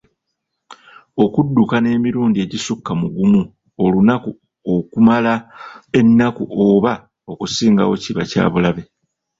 Okuddukana emirundi egisukka mu gumu olunaku okumala ennaku oba okusingawo kiba kyabulabe.